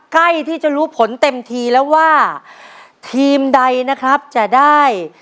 ใกล้ที่จะรู้ผลเต็มทีแล้วว่าทีมใดนะครับจะได้